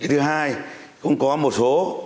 thứ hai cũng có một số